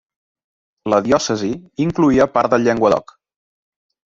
La diòcesi incloïa part del Llenguadoc.